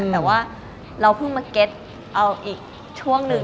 แต่ว่าเราเพิ่งมาเก็ตเอาอีกช่วงหนึ่ง